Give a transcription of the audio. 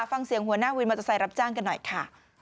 ฟังเสียงหัวหน้าวินมอเตอร์ไซค์รับจ้างกันหน่อยค่ะ